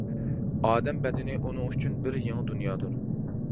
ئادەم بەدىنى ئۇنىڭ ئۈچۈن بىر يېڭى دۇنيادۇر.